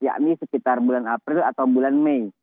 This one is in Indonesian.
yakni sekitar bulan april atau bulan mei